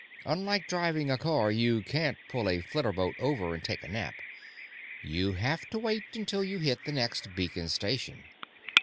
Unlike driving a car, you can't pull a flitterboat over and take a nap; you have to wait until you hit the next beacon station.